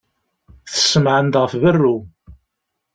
Tessemɛen-d ɣef berru.